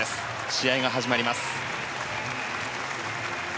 試合が始まります。